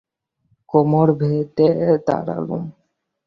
কোমর বেঁধে দাঁড়ালুম।